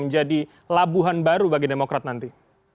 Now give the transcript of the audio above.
menjadi labuhan baru bagi demokrat nanti